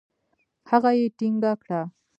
هغه يې ټينګه کړه.